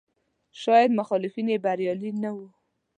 شاید مخالفین یې بریالي نه وو.